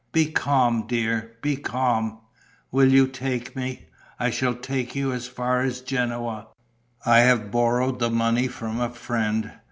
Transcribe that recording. Be calm, dear, be calm." "Will you take me?" "I shall take you as far as Genoa. I have borrowed the money from a friend.